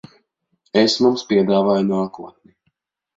Es mums piedāvāju nākotni.